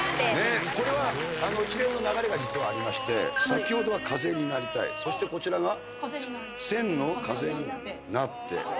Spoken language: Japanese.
これは一連の流れが実はありまして先ほどは『風になりたい』そしてこちらが『千の風になって』